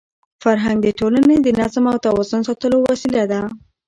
فرهنګ د ټولني د نظم او توازن ساتلو وسیله ده.